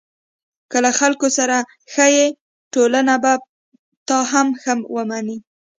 که له خلکو سره ښه یې، ټولنه به تا هم ښه ومني.